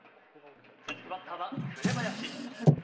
続くバッターは紅林。